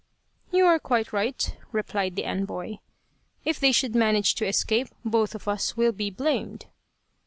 " You are quite right," replied the envoy, " if they should manage to escape both of us will be blamed."